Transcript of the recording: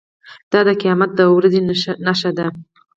دا د قیامت د ورځې نښه ده.